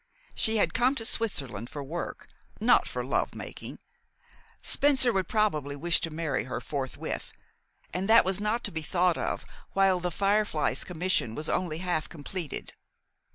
She had come to Switzerland for work, not for love making. Spencer would probably wish to marry her forthwith, and that was not to be thought of while "The Firefly's" commission was only half completed.